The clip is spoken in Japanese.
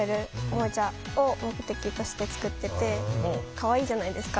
かわいいじゃないですか。